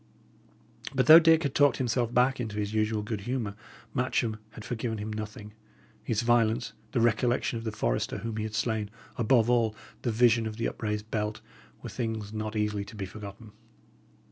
But though Dick had talked himself back into his usual good humour, Matcham had forgiven him nothing. His violence, the recollection of the forester whom he had slain above all, the vision of the upraised belt, were things not easily to be forgotten.